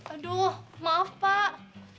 aduh maaf pak